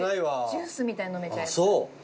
ジュースみたいに飲めちゃいます。